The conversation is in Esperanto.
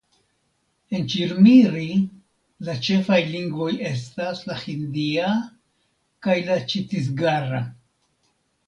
En Ĉirmiri la ĉefaj lingvoj estas la hindia kaj la ĉatisgara.